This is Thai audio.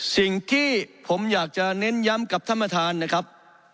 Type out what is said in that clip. สิ่งที่ผมอยากจะเน้นย้ำกับท่านประธานนะครับ